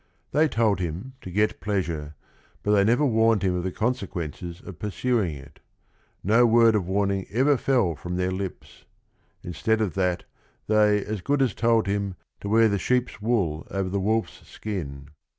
They told him to get pleasure, but they never warned him of the consequences of pursuing it. No word of warning ever fell from their lips. Instead of that, they as good as told him to wear the sheep's wool over the wolf's skin.